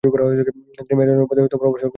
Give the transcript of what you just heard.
তিনি major general পদে থেকে অবসর গ্রহণ করেন।